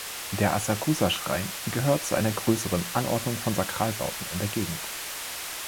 Der Asakusa-Schrein gehört zu einer größeren Anordnung von Sakralbauten in der Gegend.